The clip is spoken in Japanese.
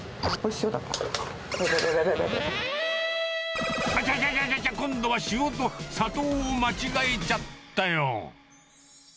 あちゃちゃ、今度は塩と砂糖を間違えちゃったよ。